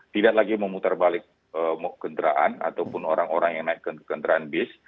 tidak lagi memutar balik kendaraan ataupun orang orang yang naik ke kendaraan bis